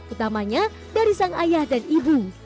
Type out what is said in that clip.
utamanya dari sang ayah dan ibu